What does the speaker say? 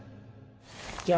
じゃあ